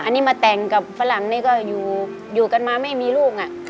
อันนี้มาแต่งกับฝรั่งนี่ก็อยู่กันมาไม่มีลูก